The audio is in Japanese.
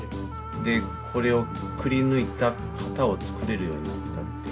でこれをくりぬいたカタを作れるようになったっていう。